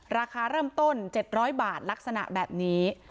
ราคาเริ่มต้น๗๐๐บาทลักษณะแบบนี้